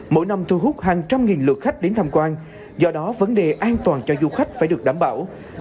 mỗi năm thu hút hàng trăm nghìn lượt khách đến tham quan do đó vấn đề an toàn cho du khách phải được đảm bảo